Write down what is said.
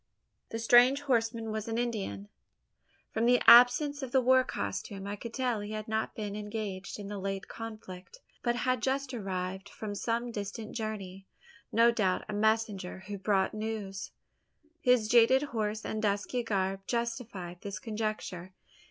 The strange horseman was an Indian. From the absence of the war costume, I could tell he had not been engaged in the late conflict, but had just arrived from some distant journey no doubt, a messenger who brought news. His jaded horse and dusky garb justified this conjecture.